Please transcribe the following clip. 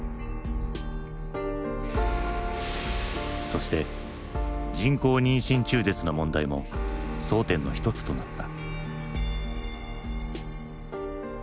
そして人工妊娠中絶の問題も争点の一つとなった。